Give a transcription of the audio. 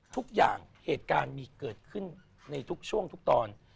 ทุกอย่างเหตุการณ์มีเกิดขึ้นในทุกช่วงทุกตอน